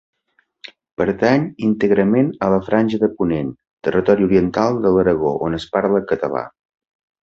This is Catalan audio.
Pertany íntegrament a la Franja de Ponent, territori oriental de l'Aragó on es parla català.